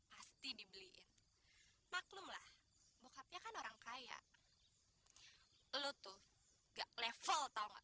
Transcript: pasti dibeli maklumlah bokapnya kan orang kaya lu tuh gak level tau enggak